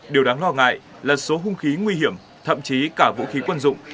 điều đáng lo ngại là số hung khí nguy hiểm thậm chí cả vũ khí quân dụng